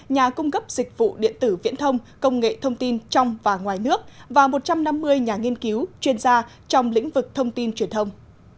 nhà cung cấp dịch vụ điện tử viễn thông công nghệ thông tin trong và ngoài nước và một trăm năm mươi nhà nghiên cứu chuyên gia trong lĩnh vực thông tin truyền thông